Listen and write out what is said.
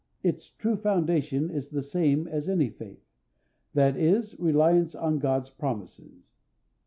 Its true foundation is the same as any faith; that is, reliance on God's promises.